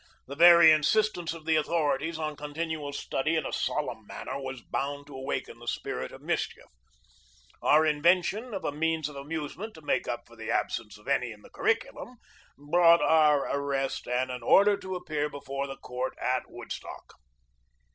The very insistence of the authorities on continual study in a solemn manner was bound to awaken the spirit of mischief. Our invention of a means of amusement to make up for the absence EARLY YEARS 9 of any in the curriculum brought our arrest and an order to appear before the court at Woodstock.